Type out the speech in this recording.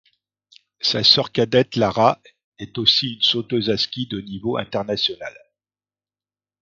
Sa sœur cadette Lara est aussi une sauteuse à ski de niveau international.